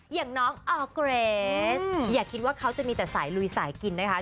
อย่างน้องออร์เกรสอย่าคิดว่าเขาจะมีแต่สายลุยสายกินนะคะ